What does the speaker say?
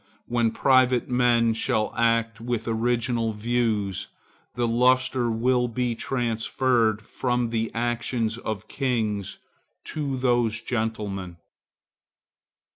When private men shall act with original views, the lustre will be transferred from the actions of kings to those of gentlemen.